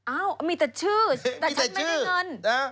มีแต่ชื่อแต่ฉันไม่ได้เงิน